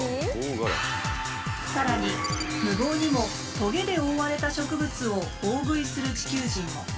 更に無謀にもトゲで覆われた植物を大食いする地球人も。